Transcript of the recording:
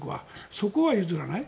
そこは譲らない。